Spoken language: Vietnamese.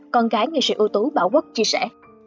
con gái nghệ sĩ ưu tú bảo quốc chia sẻ